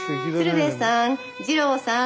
鶴瓶さん二朗さん。